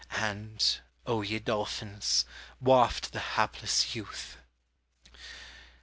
And, O ye dolphins, waft the hapless youth!